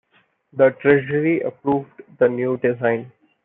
The Treasury approved the new design.